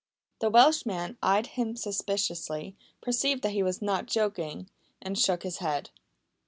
The Welshman eyed him suspiciously, perceived that he was not joking, and shook his head.